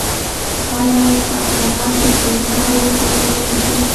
آیا زعفران د کوکنارو ځای نیولی شي؟